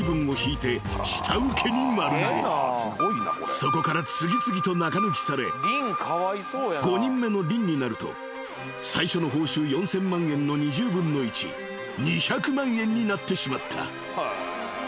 ［そこから次々と中抜きされ５人目のリンになると最初の報酬４，０００万円の２０分の１２００万円になってしまった］